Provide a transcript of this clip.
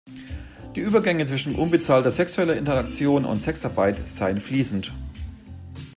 Die Übergänge zwischen unbezahlter sexueller Interaktion und Sexarbeit seien fließend.